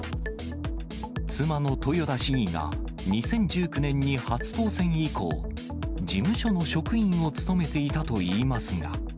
妻の豊田市議が２０１９年に初当選以降、事務所の職員を務めていたといいますが。